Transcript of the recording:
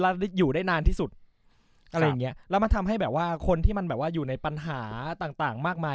แล้วอยู่ได้นานที่สุดอะไรอย่างเงี้ยแล้วมันทำให้แบบว่าคนที่มันแบบว่าอยู่ในปัญหาต่างต่างมากมาย